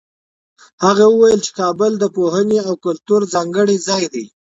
هغه وویل چي کابل د پوهنې او کلتور ځانګړی ځای دی.